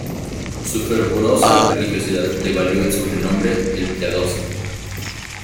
Su fervorosa religiosidad le valió el sobrenombre "el Piadoso".